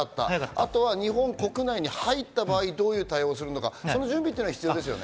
あと日本国内に入った場合どう対応するか、準備は必要ですね。